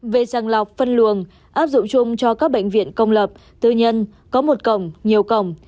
về sàng lọc phân luồng áp dụng chung cho các bệnh viện công lập tư nhân có một cổng nhiều cổng